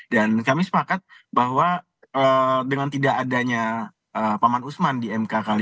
dan kami sepakat bahwa dengan tidak adanya paman usman di mk kali ini kami optimis mk bisa juga lebih profesional daripada yang lalu